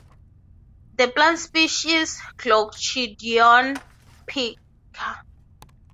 The plant species "Glochidion pitcairnense" is endemic to Pitcairn and Henderson Islands.